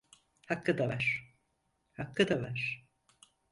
Hakkı da var, hakkı da var!